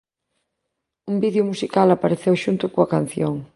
Un vídeo musical apareceu xunto coa canción.